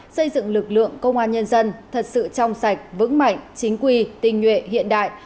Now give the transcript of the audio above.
xây dựng lực lượng công an nhân dân thật sự trong sạch vững mạnh chính quy tình nhuệ hiện đại